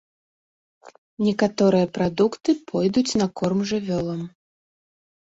Некаторыя прадукты пойдуць на корм жывёлам.